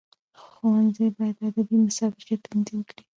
ښوونځي باید ادبي مسابقي تنظیم کړي.